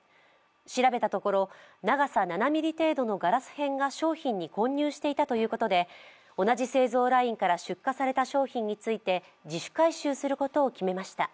調べたところ、長さ７ｍｍ程度のガラス片が商品に混入していたということで同じ製造ラインから出荷された商品について自主回収することを決めました。